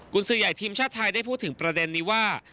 คุณซื้อใหญ่ทีมชาติไทยได้พูดถึงประเด็นนี้ว่า